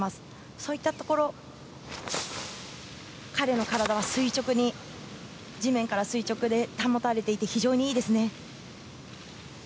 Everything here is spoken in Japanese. そういったところ彼の体は垂直に地面から垂直で保たれていて非常にいいですね。